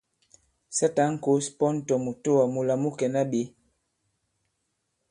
Sa tǎn kǒs pɔn tɔ̀ mùtoà mūla mu kɛ̀na ɓě !